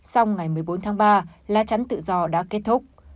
sau ngày một mươi bốn tháng ba lá chắn tự do đã kết thúc